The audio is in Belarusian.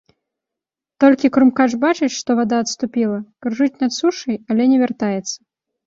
Толькі крумкач бачыць, што вада адступіла, кружыць над сушай, але не вяртаецца.